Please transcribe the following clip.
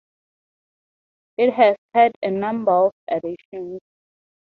It has had a number of additions.